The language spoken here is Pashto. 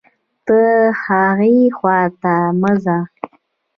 ته هاغې خوا ته مه ځه